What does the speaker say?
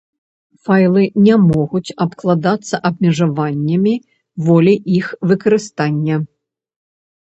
Файлы не могуць абкладацца абмежаваннямі волі іх выкарыстання.